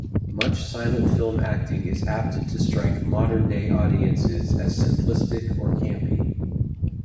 Much silent film acting is apt to strike modern-day audiences as simplistic or campy.